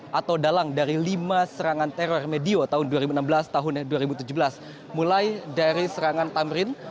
atau dalang dari lima serangan teror medio tahun dua ribu enam belas tahun dua ribu tujuh belas mulai dari serangan tamrin